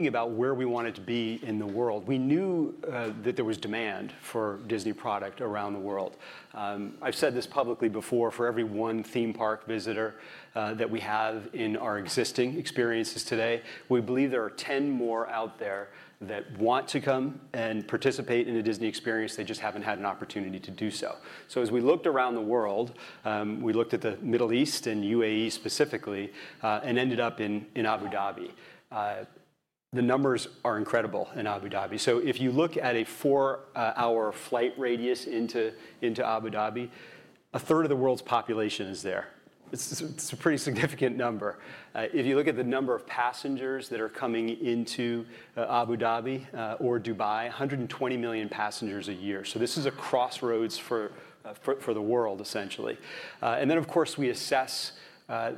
Thinking about where we wanted to be in the world, we knew that there was demand for Disney product around the world. I've said this publicly before: for every one theme park visitor that we have in our existing experiences today, we believe there are 10 more out there that want to come and participate in a Disney experience; they just haven't had an opportunity to do so. As we looked around the world, we looked at the Middle East and UAE specifically, and ended up in Abu Dhabi. The numbers are incredible in Abu Dhabi. If you look at a 4 hour flight radius into Abu Dhabi, a third of the world's population is there. It's a pretty significant number. If you look at the number of passengers that are coming into Abu Dhabi or Dubai, 120 million passengers a year. This is a crossroads for the world, essentially. Of course, we assess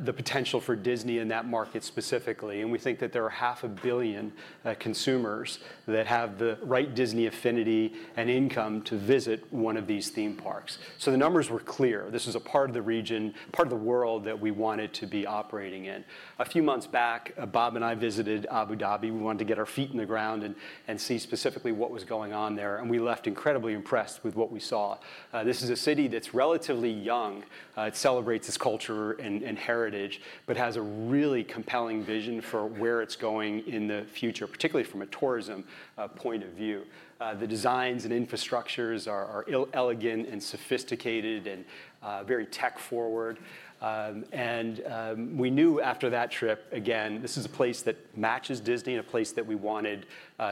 the potential for Disney in that market specifically, and we think that there are 500 million consumers that have the right Disney affinity and income to visit one of these theme parks. The numbers were clear. This is a part of the region, part of the world that we wanted to be operating in. A few months back, Bob and I visited Abu Dhabi. We wanted to get our feet in the ground and see specifically what was going on there, and we left incredibly impressed with what we saw. This is a city that's relatively young. It celebrates its culture and heritage, but has a really compelling vision for where it's going in the future, particularly from a tourism point of view. The designs and infrastructures are elegant and sophisticated and very tech-forward. We knew after that trip, again, this is a place that matches Disney and a place that we wanted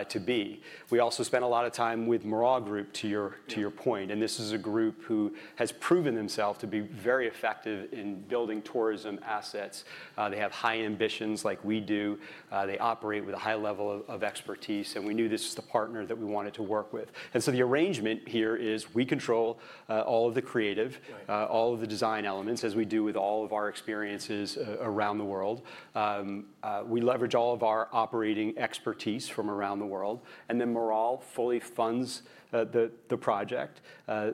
to be. We also spent a lot of time with Miral Group, to your point, and this is a group who has proven themselves to be very effective in building tourism assets. They have high ambitions, like we do. They operate with a high level of expertise, and we knew this was the partner that we wanted to work with. The arrangement here is we control all of the creative, all of the design elements, as we do with all of our experiences around the world. We leverage all of our operating expertise from around the world, and then Miral fully funds the project.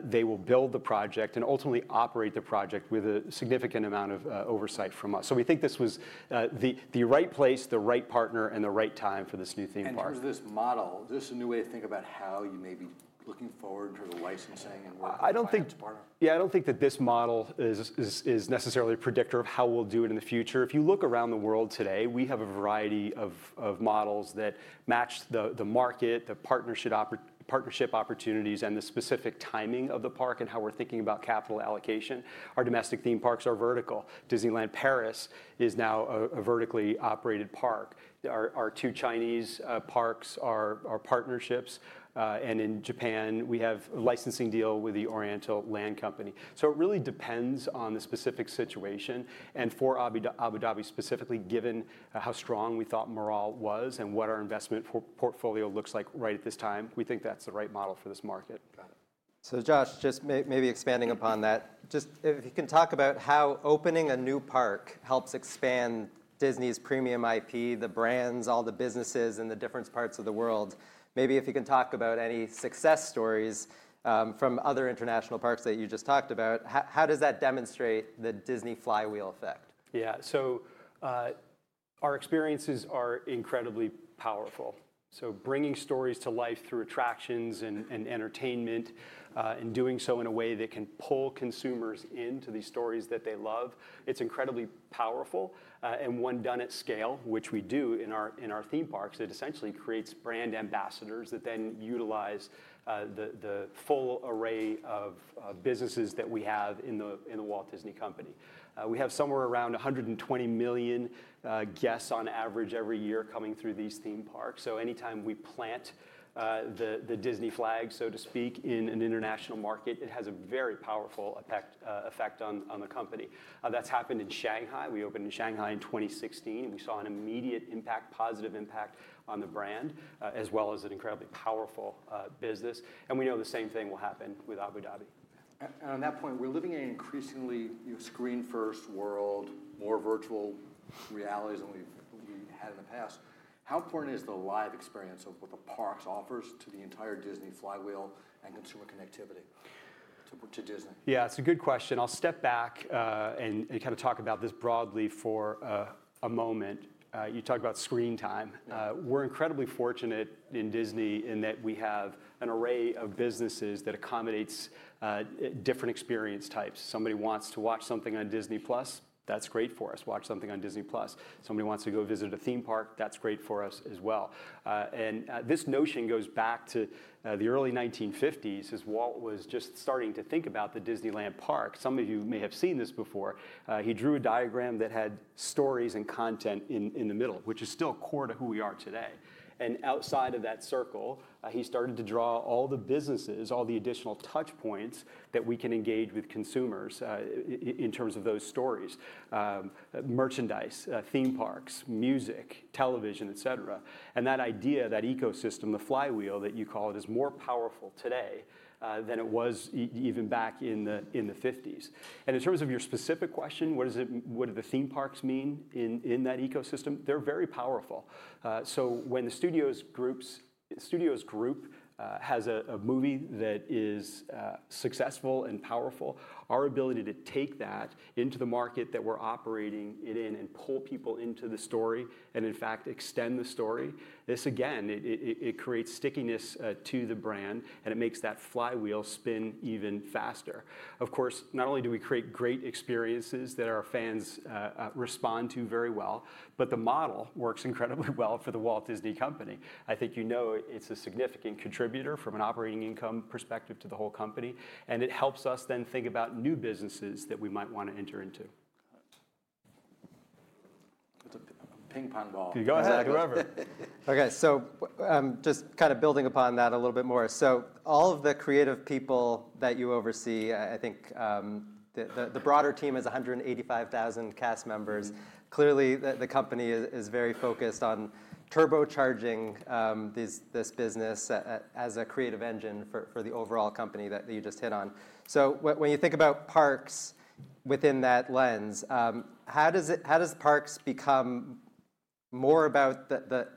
They will build the project and ultimately operate the project with a significant amount of oversight from us. We think this was the right place, the right partner, and the right time for this new theme park. In terms of this model, is this a new way to think about how you may be looking forward to the licensing and working with this partner? I don't think, yeah, I don't think that this model is necessarily a predictor of how we'll do it in the future. If you look around the world today, we have a variety of models that match the market, the partnership opportunities, and the specific timing of the park and how we're thinking about capital allocation. Our domestic theme parks are vertical. Disneyland Paris is now a vertically operated park. Our 2 Chinese parks are partnerships, and in Japan, we have a licensing deal with the Oriental Land Company. It really depends on the specific situation. For Abu Dhabi specifically, given how strong we thought Miral was and what our investment portfolio looks like right at this time, we think that's the right model for this market. Got it. Josh, just maybe expanding upon that, if you can talk about how opening a new park helps expand Disney's premium IP, the brands, all the businesses in the different parts of the world. Maybe if you can talk about any success stories from other international parks that you just talked about, how does that demonstrate the Disney flywheel effect? Yeah, our experiences are incredibly powerful. Bringing stories to life through attractions and entertainment and doing so in a way that can pull consumers into these stories that they love, it's incredibly powerful. When done at scale, which we do in our theme parks, it essentially creates brand ambassadors that then utilize the full array of businesses that we have in The Walt Disney Company. We have somewhere around 120 million guests on average every year coming through these theme parks. Anytime we plant the Disney flag, so to speak, in an international market, it has a very powerful effect on the company. That's happened in Shanghai. We opened in Shanghai in 2016, and we saw an immediate impact, positive impact on the brand, as well as an incredibly powerful business. We know the same thing will happen with Abu Dhabi. On that point, we're living in an increasingly screen-first world, more virtual realities than we had in the past. How important is the live experience of what the park offers to the entire Disney flywheel and consumer connectivity to Disney? Yeah, it's a good question. I'll step back and kind of talk about this broadly for a moment. You talk about screen time. We're incredibly fortunate in Disney in that we have an array of businesses that accommodate different experience types. Somebody wants to watch something on Disney+, that's great for us. Watch something on Disney+. Somebody wants to go visit a theme park, that's great for us as well. This notion goes back to the early 1950s as Walt was just starting to think about the Disneyland Park. Some of you may have seen this before. He drew a diagram that had stories and content in the middle, which is still core to who we are today. Outside of that circle, he started to draw all the businesses, all the additional touchpoints that we can engage with consumers in terms of those stories: merchandise, theme parks, music, television, et cetera. That idea, that ecosystem, the flywheel that you call it, is more powerful today than it was even back in the 1950s. In terms of your specific question, what do the theme parks mean in that ecosystem? They're very powerful. When the studios group has a movie that is successful and powerful, our ability to take that into the market that we're operating in and pull people into the story and, in fact, extend the story, this again, it creates stickiness to the brand, and it makes that flywheel spin even faster. Of course, not only do we create great experiences that our fans respond to very well, but the model works incredibly well for The Walt Disney Company. I think you know it's a significant contributor from an operating income perspective to the whole company, and it helps us then think about new businesses that we might want to enter into. Got it. That's a ping-pong ball. Go ahead, whoever. Okay, just kind of building upon that a little bit more. All of the creative people that you oversee, I think the broader team is 185,000 cast members. Clearly, the company is very focused on turbocharging this business as a creative engine for the overall company that you just hit on. When you think about parks within that lens, how does parks become more about the,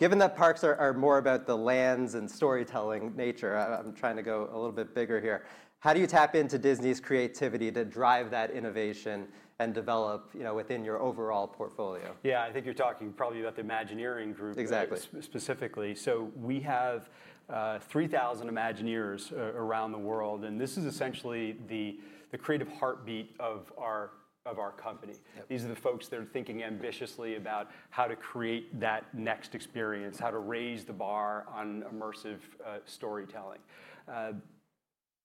given that parks are more about the lands and storytelling nature? I'm trying to go a little bit bigger here. How do you tap into Disney's creativity to drive that innovation and develop within your overall portfolio? Yeah, I think you're talking probably about the Imagineering group specifically. Exactly. We have 3,000 Imagineers around the world, and this is essentially the creative heartbeat of our company. These are the folks that are thinking ambitiously about how to create that next experience, how to raise the bar on immersive storytelling.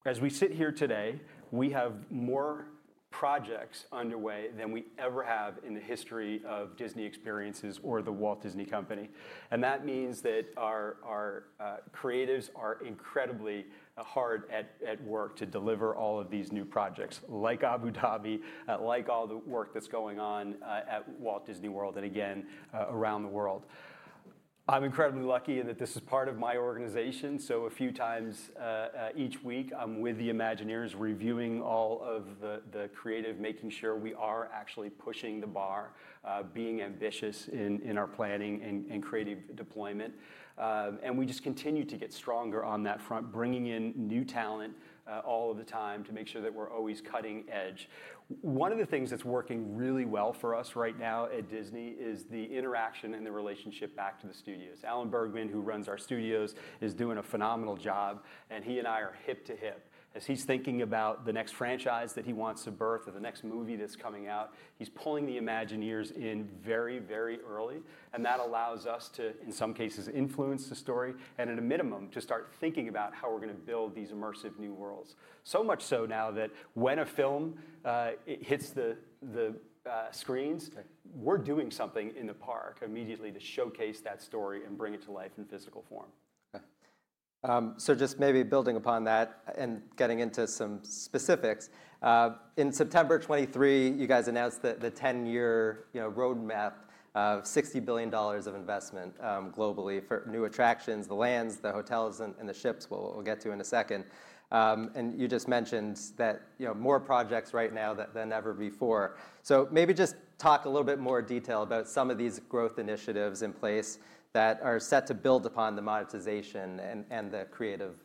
As we sit here today, we have more projects underway than we ever have in the history of Disney experiences or The Walt Disney Company. That means that our creatives are incredibly hard at work to deliver all of these new projects, like Abu Dhabi, like all the work that's going on at Walt Disney World and, again, around the world. I'm incredibly lucky that this is part of my organization. A few times each week, I'm with the Imagineers reviewing all of the creative, making sure we are actually pushing the bar, being ambitious in our planning and creative deployment. We just continue to get stronger on that front, bringing in new talent all of the time to make sure that we're always cutting edge. One of the things that's working really well for us right now at Disney is the interaction and the relationship back to the studios. Alan Bergman, who runs our studios, is doing a phenomenal job, and he and I are hip to hip. As he's thinking about the next franchise that he wants to birth or the next movie that's coming out, he's pulling the Imagineers in very, very early, and that allows us to, in some cases, influence the story and, at a minimum, to start thinking about how we're going to build these immersive new worlds. So much so now that when a film hits the screens, we're doing something in the park immediately to showcase that story and bring it to life in physical form. Okay. Just maybe building upon that and getting into some specifics, in September 2023, you guys announced the 10-year roadmap of $60 billion of investment globally for new attractions, the lands, the hotels, and the ships we'll get to in a second. You just mentioned that more projects right now than ever before. Maybe just talk a little bit more detail about some of these growth initiatives in place that are set to build upon the monetization and the creative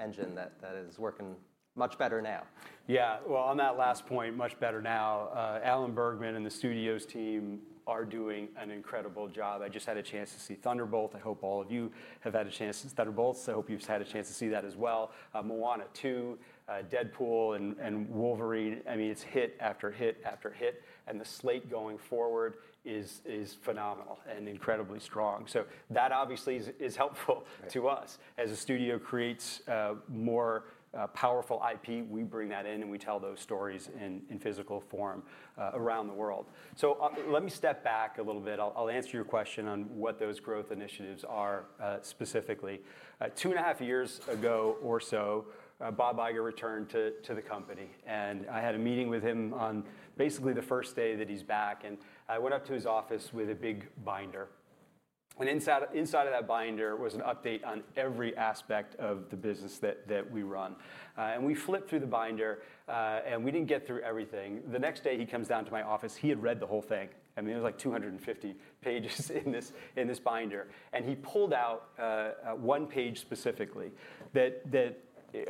engine that is working much better now. Yeah, on that last point, much better now, Alan Bergman and the studios team are doing an incredible job. I just had a chance to see Thunderbolts. I hope all of you have had a chance to see Thunderbolts. I hope you've had a chance to see that as well. Moana 2, Deadpool & Wolverine, I mean, it's hit after hit after hit, and the slate going forward is phenomenal and incredibly strong. That obviously is helpful to us. As a studio creates more powerful IP, we bring that in and we tell those stories in physical form around the world. Let me step back a little bit. I'll answer your question on what those growth initiatives are specifically. Two and a half years ago or so, Bob Iger returned to the company, and I had a meeting with him on basically the first day that he's back, and I went up to his office with a big binder. Inside of that binder was an update on every aspect of the business that we run. We flipped through the binder, and we didn't get through everything. The next day, he comes down to my office. He had read the whole thing. I mean, there was like 250 pages in this binder. He pulled out one page specifically that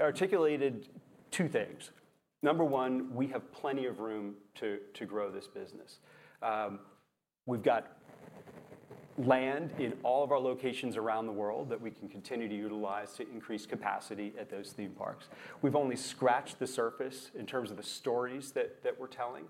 articulated 2 things. Number one, we have plenty of room to grow this business. We've got land in all of our locations around the world that we can continue to utilize to increase capacity at those theme parks. We've only scratched the surface in terms of the stories that we're telling.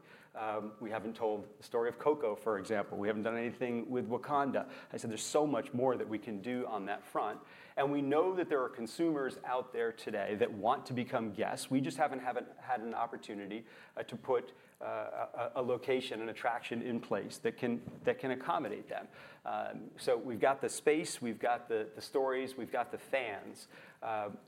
We haven't told the story of Coco, for example. We haven't done anything with Wakanda. I said, there's so much more that we can do on that front. We know that there are consumers out there today that want to become guests. We just haven't had an opportunity to put a location, an attraction in place that can accommodate them. We've got the space, we've got the stories, we've got the fans.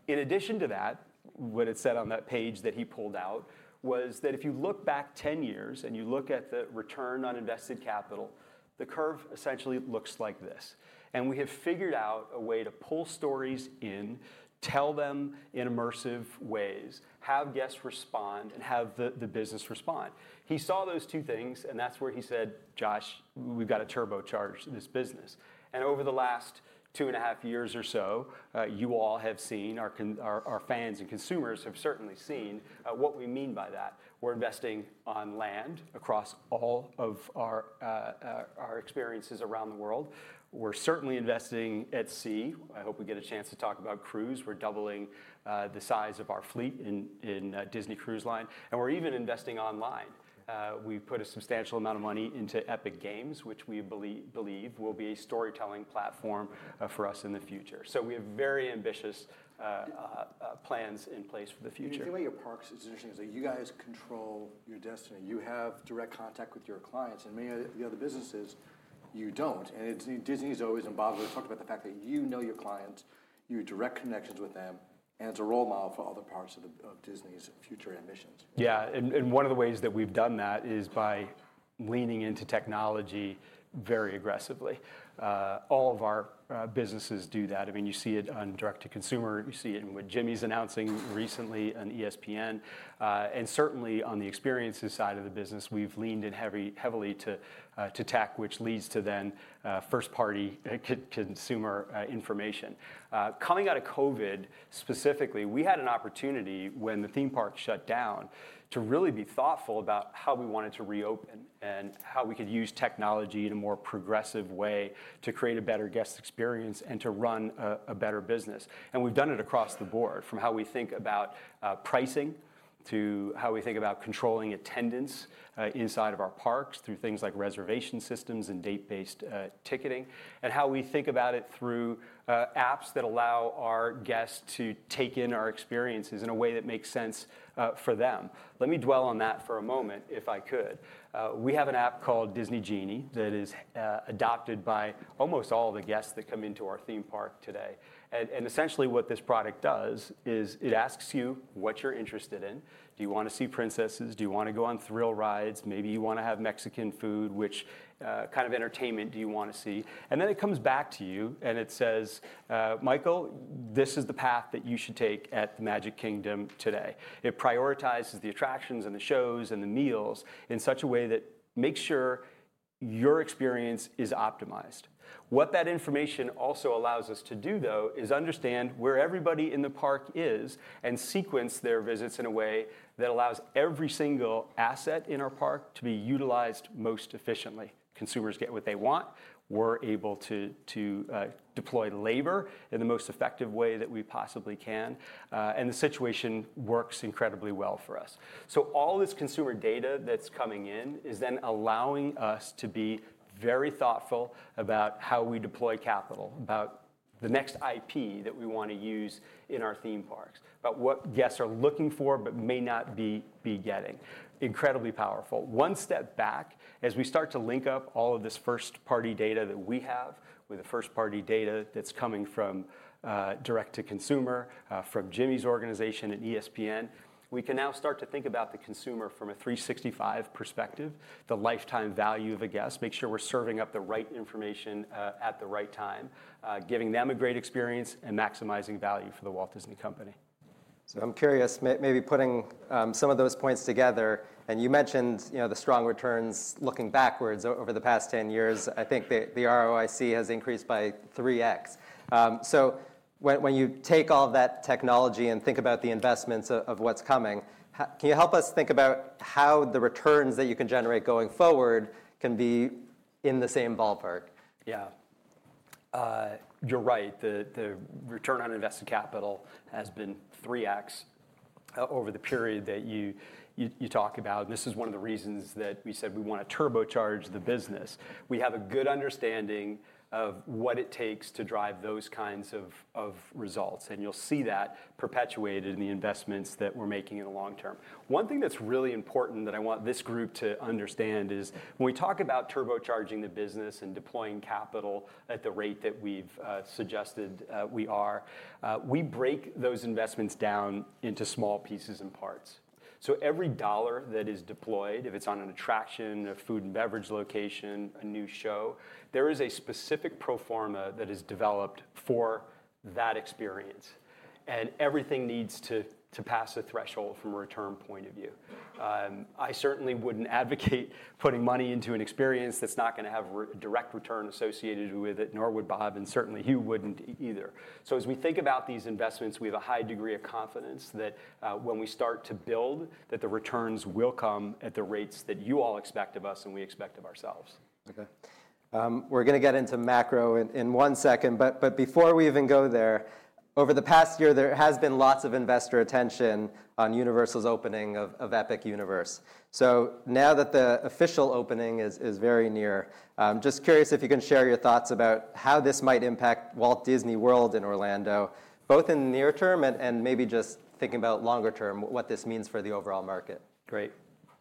In addition to that, what it said on that page that he pulled out was that if you look back 10 years and you look at the return on invested capital, the curve essentially looks like this. We have figured out a way to pull stories in, tell them in immersive ways, have guests respond, and have the business respond. He saw those 2 things, and that's where he said, "Josh, we've got to turbocharge this business." Over the last two and a half years or so, you all have seen, our fans and consumers have certainly seen what we mean by that. We're investing on land across all of our experiences around the world. We're certainly investing at sea. I hope we get a chance to talk about cruise. We're doubling the size of our fleet in Disney Cruise Line. We're even investing online. We've put a substantial amount of money into Epic Games, which we believe will be a storytelling platform for us in the future. We have very ambitious plans in place for the future. You say about your parks, it's interesting. You guys control your destiny. You have direct contact with your clients. Many of the other businesses, you don't. Disney is always in bottle. We've talked about the fact that you know your clients, you have direct connections with them, and it's a role model for other parts of Disney's future ambitions. Yeah, and one of the ways that we've done that is by leaning into technology very aggressively. All of our businesses do that. I mean, you see it on direct-to-consumer. You see it in what Jimmy's announcing recently, on ESPN. Certainly, on the experiences side of the business, we've leaned in heavily to tech, which leads to then first-party consumer information. Coming out of COVID specifically, we had an opportunity when the theme park shut down to really be thoughtful about how we wanted to reopen and how we could use technology in a more progressive way to create a better guest experience and to run a better business. We have done it across the board, from how we think about pricing to how we think about controlling attendance inside of our parks through things like reservation systems and date-based ticketing, and how we think about it through apps that allow our guests to take in our experiences in a way that makes sense for them. Let me dwell on that for a moment, if I could. We have an app called Disney Genie that is adopted by almost all the guests that come into our theme park today. Essentially, what this product does is it asks you what you're interested in. Do you want to see princesses? Do you want to go on thrill rides? Maybe you want to have Mexican food. Which kind of entertainment do you want to see? It comes back to you and it says, "Michael, this is the path that you should take at the Magic Kingdom today." It prioritizes the attractions and the shows and the meals in such a way that makes sure your experience is optimized. What that information also allows us to do, though, is understand where everybody in the park is and sequence their visits in a way that allows every single asset in our park to be utilized most efficiently. Consumers get what they want. We're able to deploy labor in the most effective way that we possibly can. The situation works incredibly well for us. All this consumer data that's coming in is then allowing us to be very thoughtful about how we deploy capital, about the next IP that we want to use in our theme parks, about what guests are looking for but may not be getting. Incredibly powerful. One step back, as we start to link up all of this first-party data that we have with the first-party data that's coming from direct-to-consumer, from Jimmy's organization and ESPN, we can now start to think about the consumer from a 365 perspective, the lifetime value of a guest, make sure we're serving up the right information at the right time, giving them a great experience and maximizing value for The Walt Disney Company. I'm curious, maybe putting some of those points together. You mentioned the strong returns looking backwards over the past 10 years. I think the ROIC has increased by 3x. When you take all of that technology and think about the investments of what's coming, can you help us think about how the returns that you can generate going forward can be in the same ballpark? You're right. The return on invested capital has been 3x over the period that you talk about. This is one of the reasons that we said we want to turbocharge the business. We have a good understanding of what it takes to drive those kinds of results. You'll see that perpetuated in the investments that we're making in the long term. One thing that's really important that I want this group to understand is when we talk about turbocharging the business and deploying capital at the rate that we've suggested we are, we break those investments down into small pieces and parts. Every dollar that is deployed, if it's on an attraction, a food and beverage location, a new show, there is a specific pro forma that is developed for that experience. Everything needs to pass a threshold from a return point of view. I certainly wouldn't advocate putting money into an experience that's not going to have a direct return associated with it, nor would Bob, and certainly you wouldn't either. As we think about these investments, we have a high degree of confidence that when we start to build, the returns will come at the rates that you all expect of us and we expect of ourselves. Okay. We're going to get into macro in one second. Before we even go there, over the past year, there has been lots of investor attention on Universal's opening of Epic Universe. Now that the official opening is very near, I'm just curious if you can share your thoughts about how this might impact Walt Disney World in Orlando, both in the near term and maybe just thinking about longer term, what this means for the overall market. Great.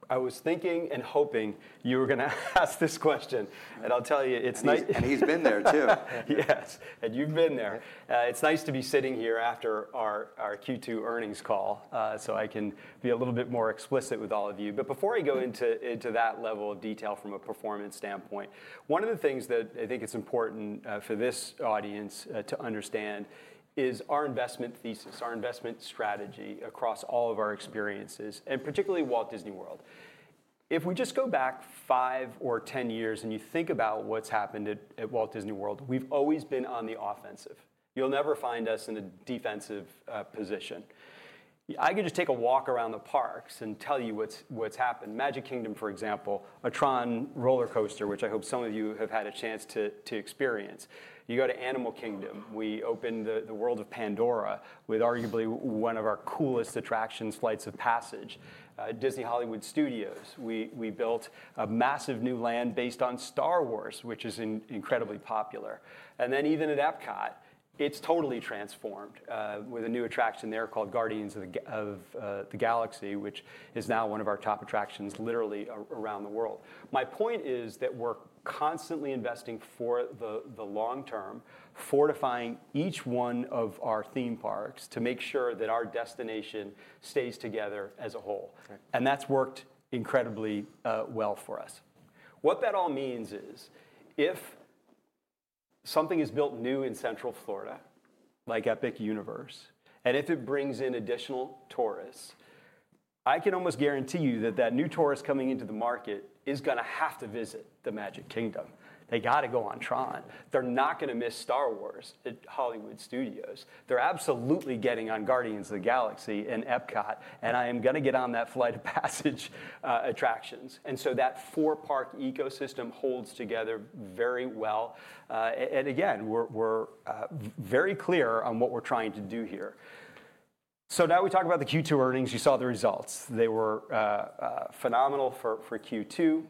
I was thinking and hoping you were going to ask this question. I'll tell you, it's nice. He's been there too. Yes. You've been there. It's nice to be sitting here after our Q2 earnings call so I can be a little bit more explicit with all of you. Before I go into that level of detail from a performance standpoint, one of the things that I think is important for this audience to understand is our investment thesis, our investment strategy across all of our experiences, and particularly Walt Disney World. If we just go back 5 or 10 years and you think about what's happened at Walt Disney World, we've always been on the offensive. You'll never find us in a defensive position. I could just take a walk around the parks and tell you what's happened. Magic Kingdom, for example, a TRON roller coaster, which I hope some of you have had a chance to experience. You go to Animal Kingdom. We opened the world of Pandora with arguably one of our coolest attractions, Flights of Passage. At Disney's Hollywood Studios, we built a massive new land based on Star Wars, which is incredibly popular. Even at Epcot, it is totally transformed with a new attraction there called Guardians of the Galaxy, which is now one of our top attractions literally around the world. My point is that we are constantly investing for the long term, fortifying each one of our theme parks to make sure that our destination stays together as a whole. That has worked incredibly well for us. What that all means is if something is built new in Central Florida, like Epic Universe, and if it brings in additional tourists, I can almost guarantee you that that new tourist coming into the market is going to have to visit the Magic Kingdom. They got to go on TRON. They're not going to miss Star Wars at Hollywood Studios. They're absolutely getting on Guardians of the Galaxy and Epcot, and I am going to get on that Flight of Passage attractions. That 4-park ecosystem holds together very well. We are very clear on what we're trying to do here. Now we talk about the Q2 earnings. You saw the results. They were phenomenal for Q2.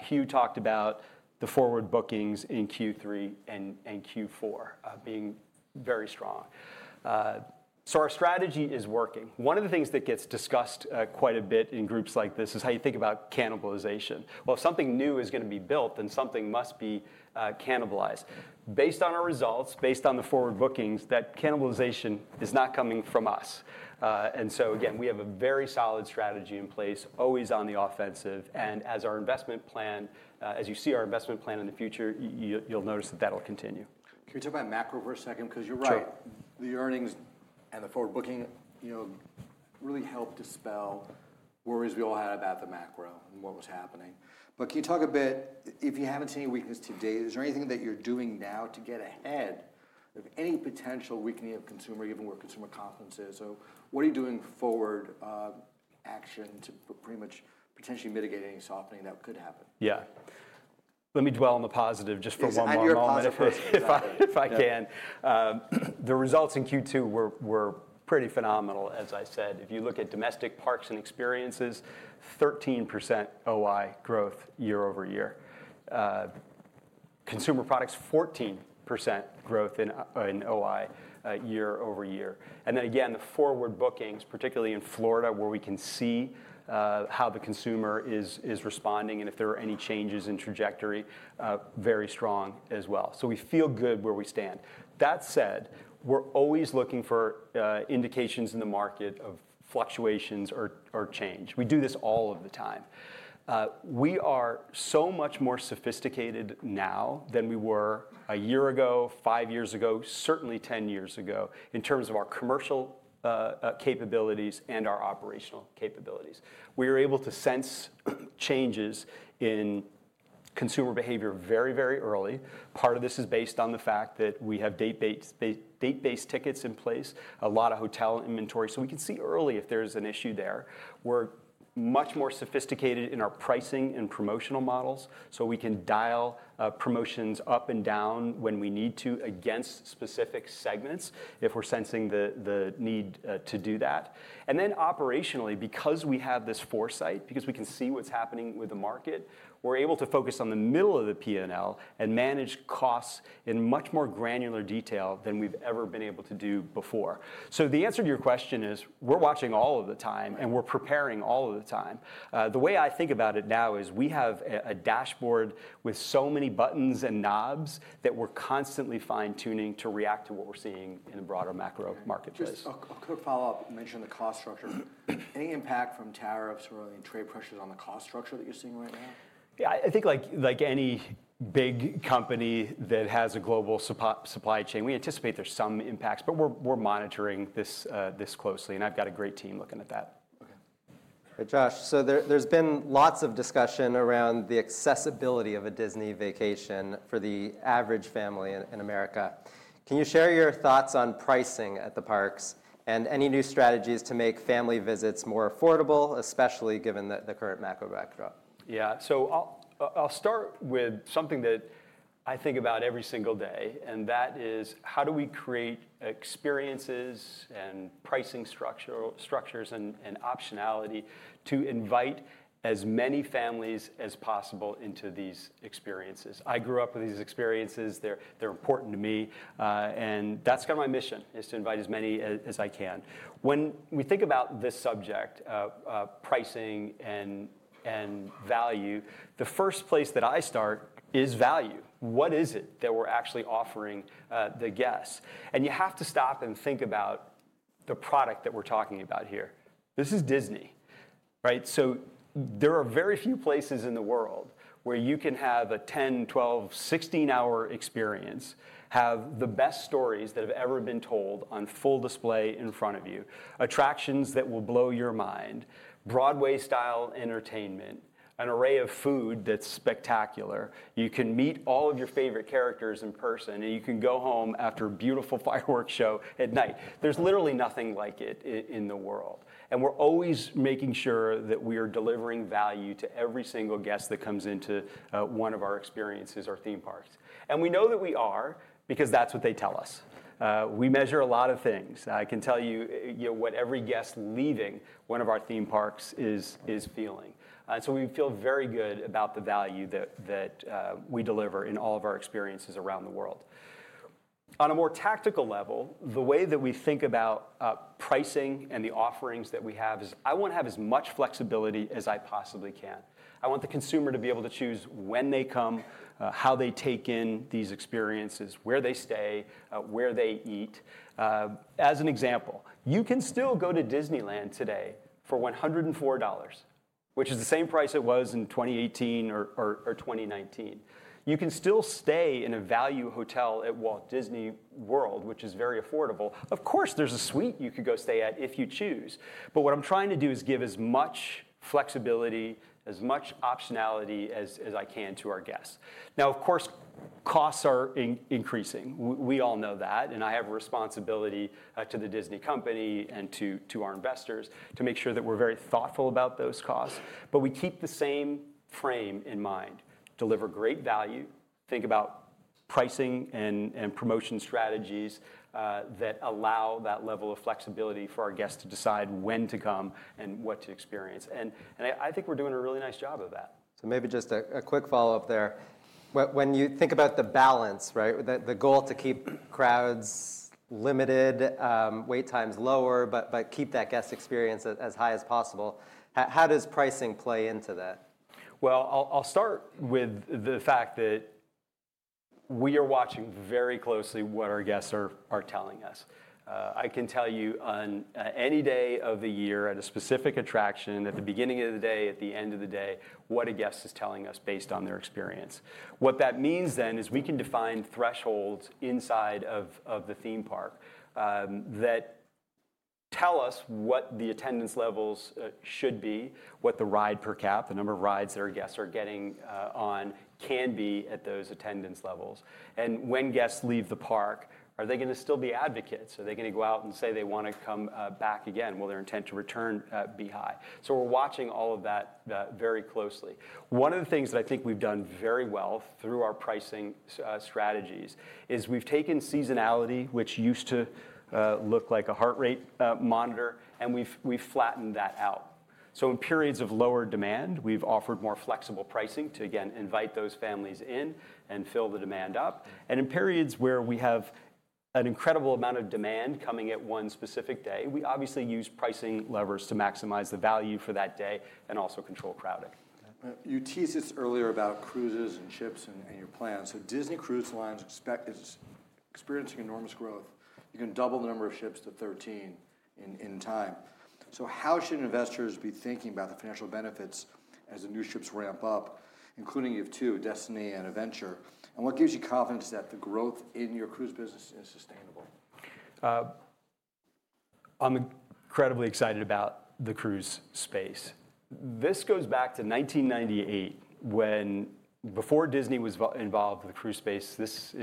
Hugh talked about the forward bookings in Q3 and Q4 being very strong. Our strategy is working. One of the things that gets discussed quite a bit in groups like this is how you think about cannibalization. If something new is going to be built, then something must be cannibalized. Based on our results, based on the forward bookings, that cannibalization is not coming from us. We have a very solid strategy in place, always on the offensive. As you see our investment plan in the future, you'll notice that that'll continue. Can we talk about macro for a second? You're right. The earnings and the forward booking really helped dispel worries we all had about the macro and what was happening. Can you talk a bit, if you haven't seen any weakness today, is there anything that you're doing now to get ahead of any potential weakening of consumer, given where consumer confidence is? What are you doing forward action to pretty much potentially mitigate any softening that could happen? Yeah. Let me dwell on the positive just for one moment. I'll add your positive, if I can. The results in Q2 were pretty phenomenal, as I said. If you look at domestic parks and experiences, 13% OI growth year over year. Consumer products, 14% growth in OI year over year. The forward bookings, particularly in Florida, where we can see how the consumer is responding and if there are any changes in trajectory, are very strong as well. We feel good where we stand. That said, we're always looking for indications in the market of fluctuations or change. We do this all of the time. We are so much more sophisticated now than we were a year ago, 5 years ago, certainly 10 years ago in terms of our commercial capabilities and our operational capabilities. We are able to sense changes in consumer behavior very, very early. Part of this is based on the fact that we have date-based tickets in place, a lot of hotel inventory. We can see early if there is an issue there. We're much more sophisticated in our pricing and promotional models. We can dial promotions up and down when we need to against specific segments if we're sensing the need to do that. Operationally, because we have this foresight, because we can see what's happening with the market, we're able to focus on the middle of the P&L and manage costs in much more granular detail than we've ever been able to do before. The answer to your question is we're watching all of the time and we're preparing all of the time. The way I think about it now is we have a dashboard with so many buttons and knobs that we're constantly fine-tuning to react to what we're seeing in the broader macro marketplace. Just a quick follow-up. You mentioned the cost structure. Any impact from tariffs or any trade pressures on the cost structure that you're seeing right now? Yeah. I think like any big company that has a global supply chain, we anticipate there's some impacts. We are monitoring this closely. I've got a great team looking at that. Okay. Hey, Josh. There's been lots of discussion around the accessibility of a Disney vacation for the average family in America. Can you share your thoughts on pricing at the parks and any new strategies to make family visits more affordable, especially given the current macro backdrop? Yeah. I'll start with something that I think about every single day. That is how do we create experiences and pricing structures and optionality to invite as many families as possible into these experiences? I grew up with these experiences. They're important to me. That is kind of my mission, is to invite as many as I can. When we think about this subject, pricing and value, the first place that I start is value. What is it that we are actually offering the guests? You have to stop and think about the product that we are talking about here. This is Disney. Right? There are very few places in the world where you can have a 10, 12, 16-hour experience, have the best stories that have ever been told on full display in front of you, attractions that will blow your mind, Broadway-style entertainment, an array of food that is spectacular. You can meet all of your favorite characters in person, and you can go home after a beautiful fireworks show at night. There is literally nothing like it in the world. We are always making sure that we are delivering value to every single guest that comes into one of our experiences or theme parks. We know that we are because that's what they tell us. We measure a lot of things. I can tell you what every guest leaving one of our theme parks is feeling. We feel very good about the value that we deliver in all of our experiences around the world. On a more tactical level, the way that we think about pricing and the offerings that we have is I want to have as much flexibility as I possibly can. I want the consumer to be able to choose when they come, how they take in these experiences, where they stay, where they eat. As an example, you can still go to Disneyland today for $104, which is the same price it was in 2018 or 2019. You can still stay in a value hotel at Walt Disney World, which is very affordable. Of course, there is a suite you could go stay at if you choose. What I'm trying to do is give as much flexibility, as much optionality as I can to our guests. Now, of course, costs are increasing. We all know that. I have a responsibility to The Walt Disney Company and to our investors to make sure that we're very thoughtful about those costs. We keep the same frame in mind, deliver great value, think about pricing and promotion strategies that allow that level of flexibility for our guests to decide when to come and what to experience. I think we're doing a really nice job of that. Maybe just a quick follow-up there. When you think about the balance, right, the goal to keep crowds limited, wait times lower, but keep that guest experience as high as possible, how does pricing play into that? I'll start with the fact that we are watching very closely what our guests are telling us. I can tell you on any day of the year at a specific attraction, at the beginning of the day, at the end of the day, what a guest is telling us based on their experience. What that means then is we can define thresholds inside of the theme park that tell us what the attendance levels should be, what the ride per cap, the number of rides that our guests are getting on, can be at those attendance levels. When guests leave the park, are they going to still be advocates? Are they going to go out and say they want to come back again? Will their intent to return be high? We're watching all of that very closely. One of the things that I think we've done very well through our pricing strategies is we've taken seasonality, which used to look like a heart rate monitor, and we've flattened that out. In periods of lower demand, we've offered more flexible pricing to, again, invite those families in and fill the demand up. In periods where we have an incredible amount of demand coming at one specific day, we obviously use pricing levers to maximize the value for that day and also control crowding. You teased this earlier about cruises and ships and your plan. Disney Cruise Line is experiencing enormous growth. You can double the number of ships to 13 in time. How should investors be thinking about the financial benefits as the new ships ramp up, including you have 2, Destiny and Adventure? What gives you confidence that the growth in your cruise business is sustainable? I'm incredibly excited about the cruise space. This goes back to 1998 when, before Disney was involved with the cruise space, this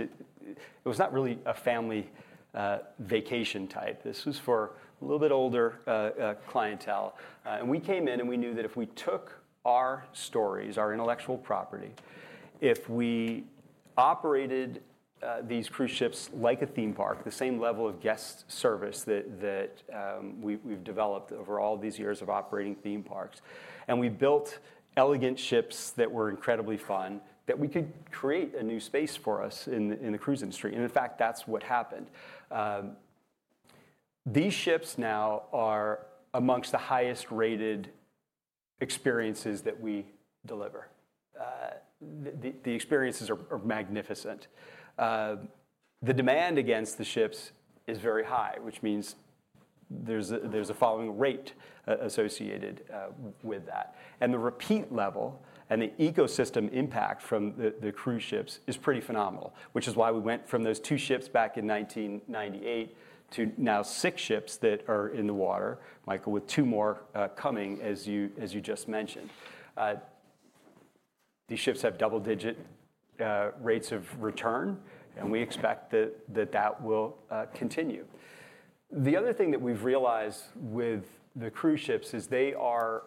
was not really a family vacation type. This was for a little bit older clientele. We came in and we knew that if we took our stories, our intellectual property, if we operated these cruise ships like a theme park, the same level of guest service that we've developed over all these years of operating theme parks, and we built elegant ships that were incredibly fun, that we could create a new space for us in the cruise industry. In fact, that's what happened. These ships now are amongst the highest-rated experiences that we deliver. The experiences are magnificent. The demand against the ships is very high, which means there's a following rate associated with that. The repeat level and the ecosystem impact from the cruise ships is pretty phenomenal, which is why we went from those 2 ships back in 1998 to now 6 ships that are in the water, Michael, with 2 more coming, as you just mentioned. These ships have double-digit rates of return. We expect that that will continue. The other thing that we've realized with the cruise ships is they are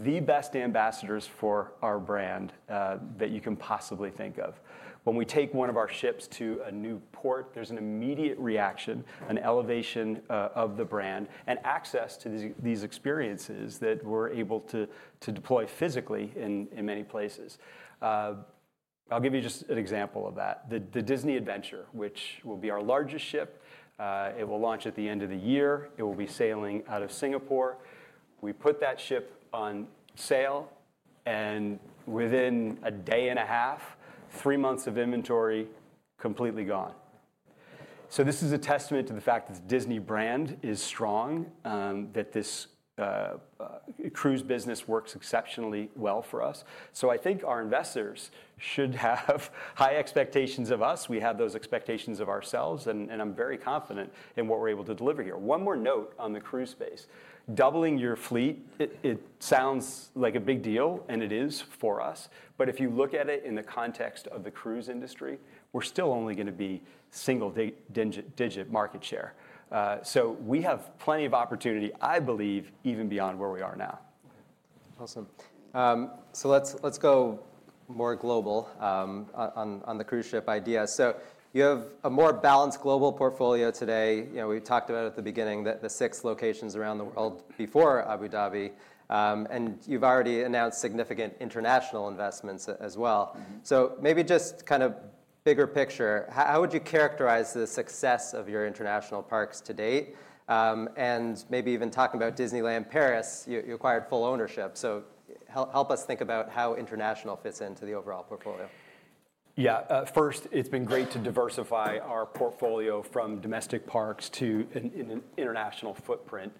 the best ambassadors for our brand that you can possibly think of. When we take one of our ships to a new port, there's an immediate reaction, an elevation of the brand and access to these experiences that we're able to deploy physically in many places. I'll give you just an example of that. The Disney Adventure, which will be our largest ship, it will launch at the end of the year. It will be sailing out of Singapore. We put that ship on sale. Within a day and a half, 3 months of inventory completely gone. This is a testament to the fact that the Disney brand is strong, that this cruise business works exceptionally well for us. I think our investors should have high expectations of us. We have those expectations of ourselves. I'm very confident in what we're able to deliver here. One more note on the cruise space. Doubling your fleet, it sounds like a big deal, and it is for us. If you look at it in the context of the cruise industry, we're still only going to be single-digit market share. We have plenty of opportunity, I believe, even beyond where we are now. Awesome. Let's go more global on the cruise ship idea. You have a more balanced global portfolio today. We talked about at the beginning the 6 locations around the world before Abu Dhabi. You've already announced significant international investments as well. Maybe just kind of bigger picture, how would you characterize the success of your international parks to date? Maybe even talking about Disneyland Paris, you acquired full ownership. Help us think about how international fits into the overall portfolio. Yeah. First, it's been great to diversify our portfolio from domestic parks to an international footprint.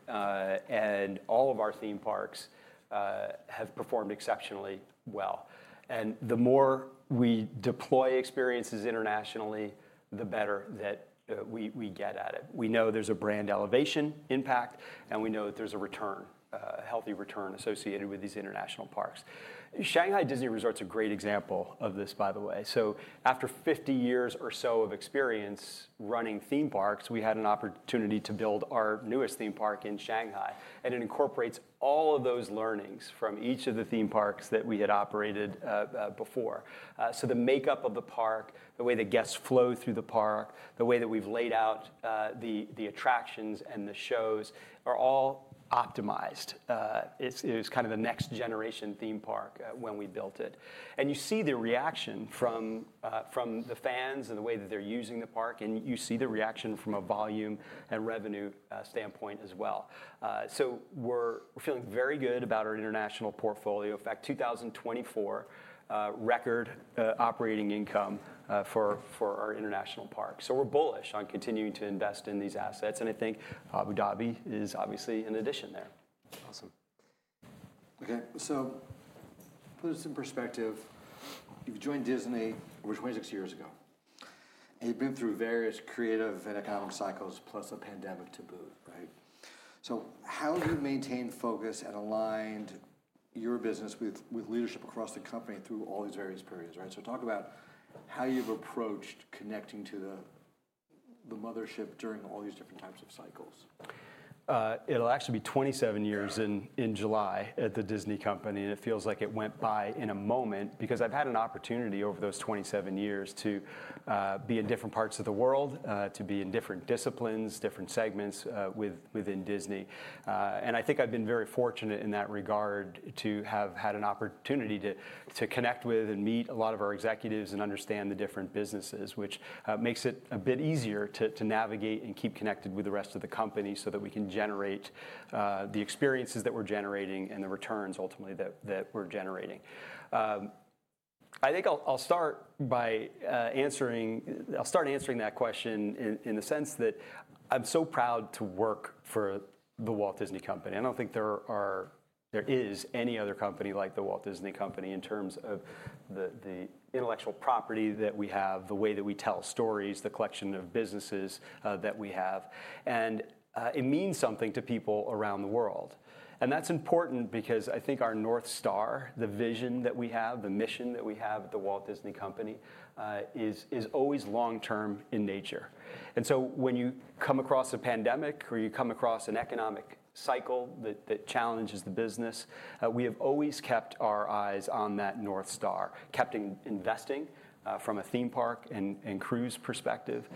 All of our theme parks have performed exceptionally well. The more we deploy experiences internationally, the better that we get at it. We know there's a brand elevation impact, and we know that there's a return, a healthy return associated with these international parks. Shanghai Disney Resort's a great example of this, by the way. After 50 years or so of experience running theme parks, we had an opportunity to build our newest theme park in Shanghai. It incorporates all of those learnings from each of the theme parks that we had operated before. The makeup of the park, the way the guests flow through the park, the way that we've laid out the attractions and the shows are all optimized. It was kind of the next-generation theme park when we built it. You see the reaction from the fans and the way that they're using the park. You see the reaction from a volume and revenue standpoint as well. We are feeling very good about our international portfolio. In fact, 2024 record operating income for our international parks. We are bullish on continuing to invest in these assets. I think Abu Dhabi is obviously an addition there. Awesome. Okay. Put this in perspective. You have joined Disney over 26 years ago. You have been through various creative and economic cycles, plus a pandemic to boot, right? How have you maintained focus and aligned your business with leadership across the company through all these various periods, right? Talk about how you have approached connecting to the mothership during all these different types of cycles. It'll actually be 27 years in July at The Walt Disney Company. It feels like it went by in a moment, because I've had an opportunity over those 27 years to be in different parts of the world, to be in different disciplines, different segments within Disney. I think I've been very fortunate in that regard to have had an opportunity to connect with and meet a lot of our executives and understand the different businesses, which makes it a bit easier to navigate and keep connected with the rest of the company so that we can generate the experiences that we're generating and the returns, ultimately, that we're generating. I think I'll start by answering that question in the sense that I'm so proud to work for The Walt Disney Company. I don't think there is any other company like The Walt Disney Company in terms of the intellectual property that we have, the way that we tell stories, the collection of businesses that we have. It means something to people around the world. That is important because I think our North Star, the vision that we have, the mission that we have at The Walt Disney Company is always long-term in nature. When you come across a pandemic or you come across an economic cycle that challenges the business, we have always kept our eyes on that North Star, kept investing from a theme park and cruise perspective,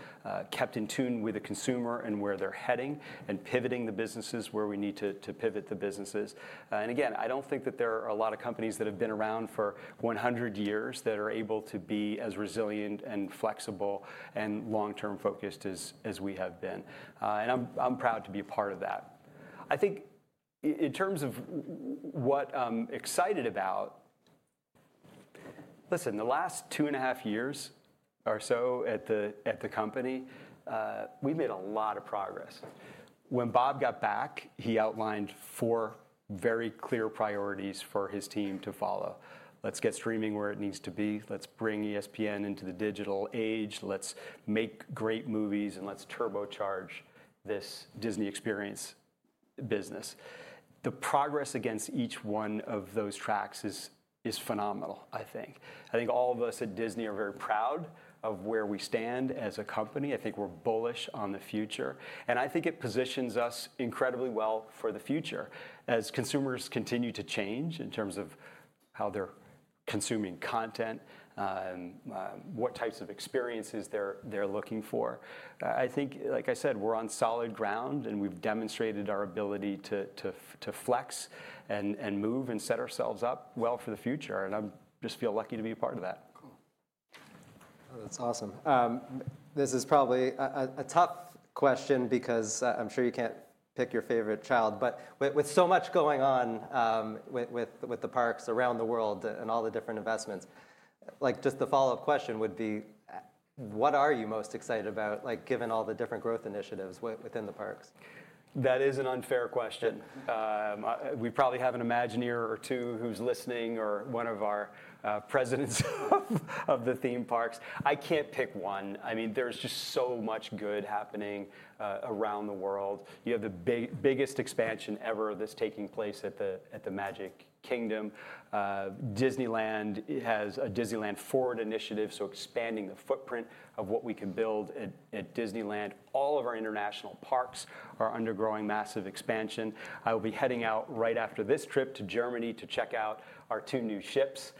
kept in tune with the consumer and where they're heading, and pivoting the businesses where we need to pivot the businesses. I don't think that there are a lot of companies that have been around for 100 years that are able to be as resilient and flexible and long-term focused as we have been. I'm proud to be a part of that. I think in terms of what I'm excited about, listen, the last two and a half years or so at the company, we've made a lot of progress. When Bob got back, he outlined 4 very clear priorities for his team to follow. Let's get streaming where it needs to be. Let's bring ESPN into the digital age. Let's make great movies and let's turbocharge this Disney experience business. The progress against each one of those tracks is phenomenal, I think. I think all of us at Disney are very proud of where we stand as a company. I think we're bullish on the future. I think it positions us incredibly well for the future as consumers continue to change in terms of how they're consuming content, what types of experiences they're looking for. Like I said, we're on solid ground. We've demonstrated our ability to flex and move and set ourselves up well for the future. I just feel lucky to be a part of that. Cool. That's awesome. This is probably a tough question because I'm sure you can't pick your favorite child. With so much going on with the parks around the world and all the different investments, just the follow-up question would be, what are you most excited about, given all the different growth initiatives within the parks? That is an unfair question. We probably have an Imagineer or 2 who's listening or one of our presidents of the theme parks. I can't pick one. I mean, there's just so much good happening around the world. You have the biggest expansion ever that's taking place at the Magic Kingdom. Disneyland has a Disneyland Forward initiative, so expanding the footprint of what we can build at Disneyland. All of our international parks are undergoing massive expansion. I will be heading out right after this trip to Germany to check out our 2 new ships,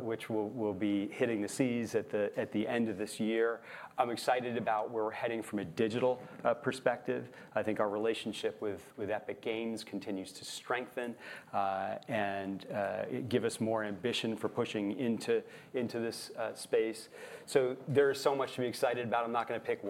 which will be hitting the seas at the end of this year. I'm excited about where we're heading from a digital perspective. I think our relationship with Epic Games continues to strengthen and give us more ambition for pushing into this space. There is so much to be excited about. I'm not going to pick.